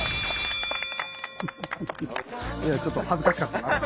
いやちょっと恥ずかしかったな。